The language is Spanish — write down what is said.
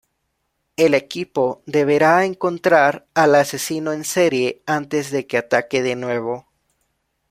El equipo deberá encontrar al asesino en serie antes de que ataque de nuevo.